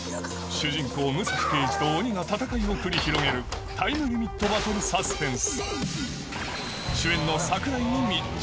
主人公武蔵刑事と鬼が戦いを繰り広げるタイムリミットバトルサスペンス